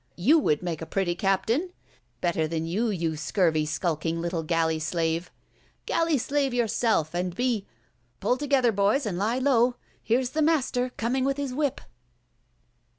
you would make a pretty Captain!" Better than you, you scurvy, skulking, little galley slave! "Galley slave yourself, and be— Pull together, boys, and lie low! Here's the Master coming with his whip!"